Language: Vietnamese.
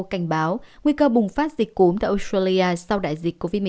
cảnh báo nguy cơ bùng phát dịch cúm tại australia sau đại dịch covid một mươi chín